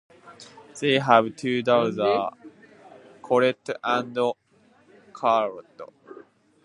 They have two daughters, Colette and Charlotte.